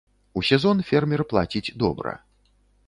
У сезон фермер плаціць добра.